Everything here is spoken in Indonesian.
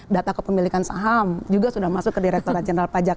data kepemilikan saham juga sudah masuk ke direkturat jenderal pajak